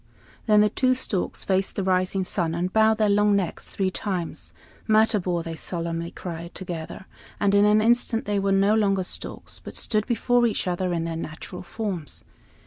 Then the two storks faced the rising sun, and bowed their long necks three times. "Matabor!" they solemnly cried, together; and in an instant they were no longer storks, but stood before each other in their natural forms.